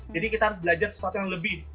jadi kita harus belajar sesuatu yang lebih